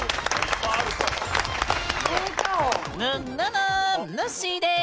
ぬっぬぬぬっしーです。